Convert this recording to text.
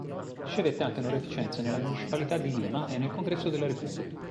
Ricevette anche onorificenze nella Municipalità di Lima e nel Congresso della Repubblica.